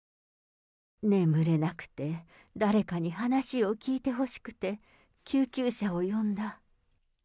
眠れなくて、誰かに話を聞いてほしくて、救急車を呼んだ。